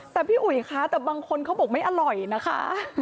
แต่พี่อุ๋ยคะแต่บางคนเขาบอกไม่อร่อยนะคะ